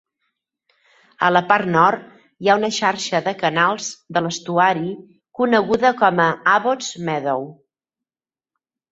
A la part nord, hi ha una xarxa de canals de l'estuari coneguda com a Abbotts Meadow.